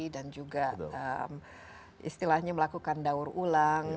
dan juga istilahnya melakukan daur ulang